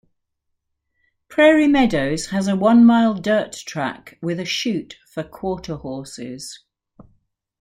Prairie Meadows has a one-mile dirt track with a chute for quarter horses.